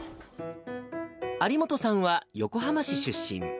有本さんは横浜市出身。